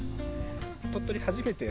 鳥取初めて？